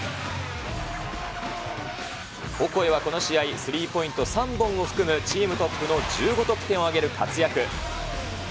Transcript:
オコエはこの試合、スリーポイント３本を含むチームトップの１５得点を挙げる活躍。